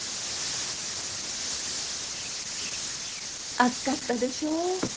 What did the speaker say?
暑かったでしょう？